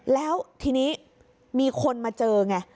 แล้วทีนี้มีคนมาเจอไง